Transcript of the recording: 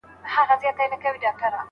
د هر شي زوڼي نه شنه کېږي .